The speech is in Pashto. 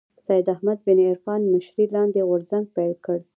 سید احمد بن عرفان مشرۍ لاندې غورځنګ پيل کړ